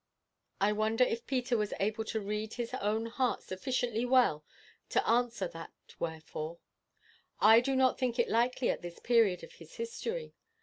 I wonder if Peter was able to read his own heart sufficiently well to answer that wherefore. I do not think it likely at this period of his history.